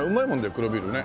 黒ビールね。